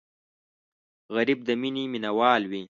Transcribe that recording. غریب د مینې مینهوال وي